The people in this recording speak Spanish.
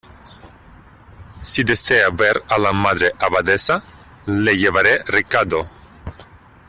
si desea ver a la Madre Abadesa, le llevaré recado.